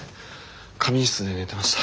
仮眠室で寝てました。